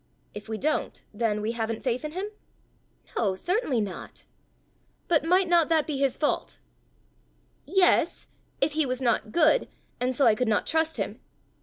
"If we don't, then we haven't faith in him?" "No; certainly not." "But might not that be his fault?" "Yes if he was not good and so I could not trust him.